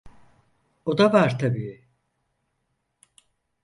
O da var tabii.